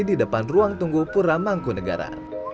di depan ruang tunggu pura mangku negara